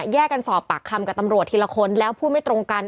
แยกกันสอบปากคำกับตำรวจทีละคนแล้วพูดไม่ตรงกัน